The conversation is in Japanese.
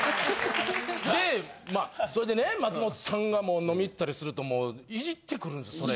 でまあそれでね松本さんがもう飲みに行ったりするともういじってくるんですそれ。